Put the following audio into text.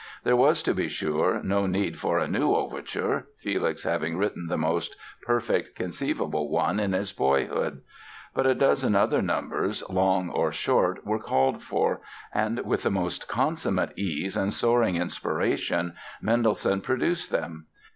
There was, to be sure, no need for a new overture, Felix having written the most perfect conceivable one in his boyhood. But a dozen other numbers, long or short, were called for and, with the most consummate ease and soaring inspiration, Mendelssohn produced them.